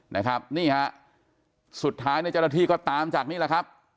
นะครับนี่ฮะสุดท้ายเนี่ยเจ้าหน้าที่ก็ตามจากนี่แหละครับ